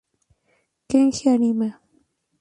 Kenji Arima